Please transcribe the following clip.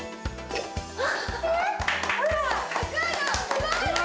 すごいね。